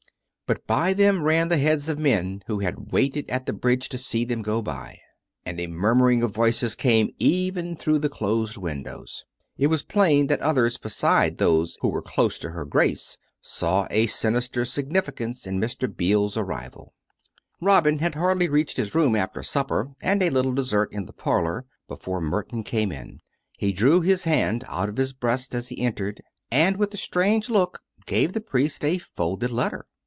But by them ran the heads of men who had waited at the bridge to see them go by; and a murmuring of voices came even through the closed windows. It was plain that others besides those who were close to her Grace, saw a sinister significance in Mr. Beale's arrival. VI Robin had hardly reached his room after supper and a little dessert in the parlour, before Merton came in. He drew his hand out of his breast as he entered, and, with a strange look, gave the priest a folded letter.